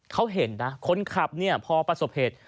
เขาเห็นนะคนขับเนี่ยพอประสบเหตุ